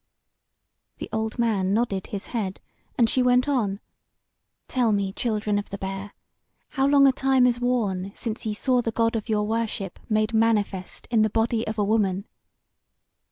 The old man nodded his head, and she went on: "Tell me, Children of the Bear, how long a time is worn since ye saw the God of your worship made manifest in the body of a woman!"